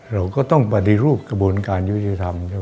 เราก็ต้องปฏิรูปกระบวนการยุทธิธรรม